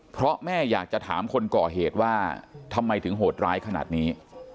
เพราะแม่อยากจะถามคนก่อเหตุว่าทำไมถึงโหดร้ายขนาดนี้